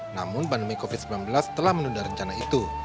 namun pandemi covid sembilan belas telah menunda rencana itu